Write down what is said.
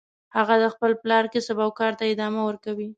هغه د خپل پلار کسب او کار ته ادامه ورکوي